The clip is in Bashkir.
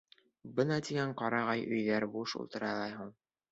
Бына тигән ҡарағай өйҙәр буш ултыра ла һуң...